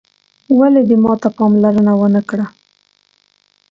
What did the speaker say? ولي دې ماته پاملرنه وه نه کړل